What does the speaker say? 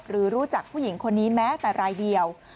รู้จักผู้หญิงคนนี้แม้แต่รายเดียว